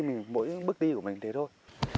mỗi bước đi của mình thế thôi